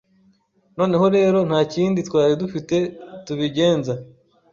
Noneho rero ntakindi twari dufite tubigenza